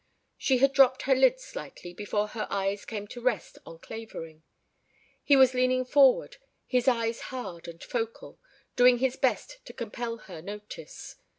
She had dropped her lids slightly before her eyes came to rest on Clavering. He was leaning forward, his eyes hard and focal, doing his best to compel her notice.